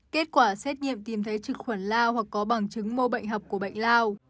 kết quả xét nghiệm tìm thấy trực khuẩn lao hoặc có bằng chứng mô bệnh học của bệnh lao